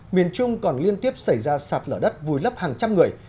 miền trung còn liên tiếp xảy ra sạt lở đất vùi lấp hàng trăm người